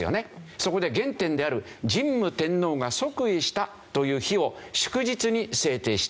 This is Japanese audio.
そこで原点である神武天皇が即位したという日を祝日に制定した。